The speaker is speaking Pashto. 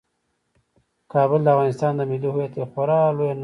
کابل د افغانستان د ملي هویت یوه خورا لویه نښه ده.